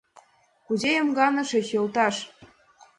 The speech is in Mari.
— Кузе эмганышыч, йолташ?